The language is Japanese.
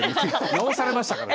指導されましたから。